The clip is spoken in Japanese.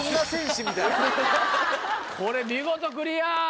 これ見事クリア。